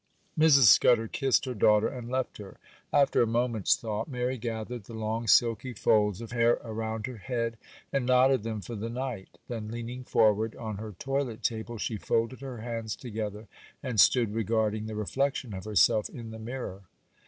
MRS. SCUDDER kissed her daughter, and left her. After a moment's thought, Mary gathered the long silky folds of hair around her head, and knotted them for the night. Then leaning forward on her toilet table, she folded her hands together, and stood regarding the reflection of herself in the mirror.